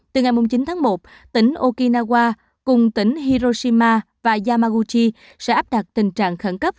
từ ngày chín tháng một tỉnh okinawa cùng tỉnh hiroshima và yamaguchi sẽ áp đặt tình trạng khẩn cấp